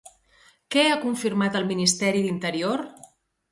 Què ha confirmat el Ministeri d'Interior?